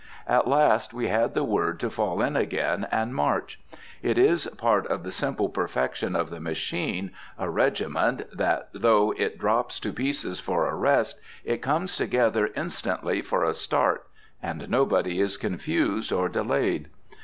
At last we had the word to fall in again and march. It is part of the simple perfection of the machine, a regiment, that, though it drops to pieces for a rest, it comes together instantly for a start, and nobody is confused or delayed.